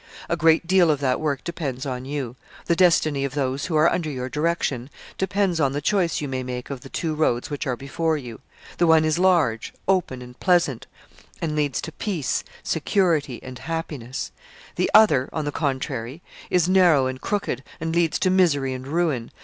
A great deal of that work depends on you the destiny of those who are under your direction depends upon the choice you may make of the two roads which are before you. The one is large, open and pleasant, and leads to peace, security, and happiness; the other, on the contrary, is narrow and crooked, and leads to misery and ruin.